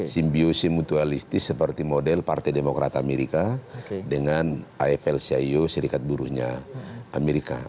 simbiosi mutualistis seperti model partai demokrat amerika dengan afl cio serikat buruhnya amerika